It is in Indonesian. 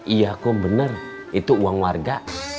iya kum bener itu uang warga